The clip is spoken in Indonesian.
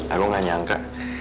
aku enggak nyangka